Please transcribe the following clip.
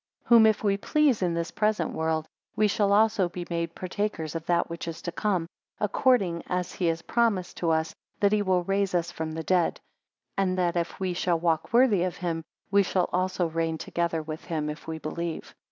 11 Whom if we please in this present world, we shall also be made partakers of that which is to come, according as he has promised to us, that he will raise us from the dead; and that if we shall walk worthy of him, we shall also reign together with him, if we believe.